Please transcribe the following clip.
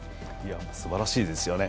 すばらしいですよね。